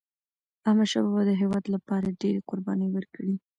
احمدشاه بابا د هیواد لپاره ډيري قربانی ورکړي.